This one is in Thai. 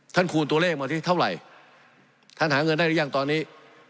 คูณตัวเลขมาที่เท่าไหร่ท่านหาเงินได้หรือยังตอนนี้